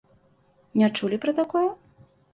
Не чулі пра такое?